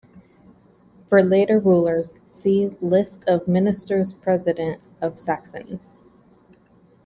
For later rulers, see List of Ministers-President of Saxony.